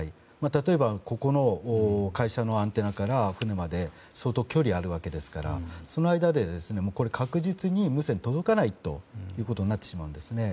例えばここの会社のアンテナから船まで相当距離あるわけですからその間で、確実に無線が届かないということになるんですね。